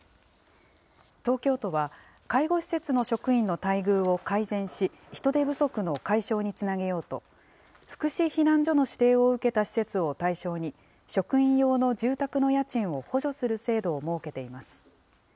東京都は、介護施設の職員の待遇を改善し、人手不足の解消につなげようと、福祉避難所の指定を受けた施設を対象に、職員用の住宅の家賃を補助する制度を設けています。